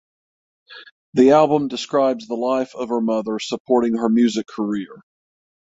The album describes the life of her mother supporting her music career.